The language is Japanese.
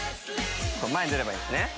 前に出ればいいんですね。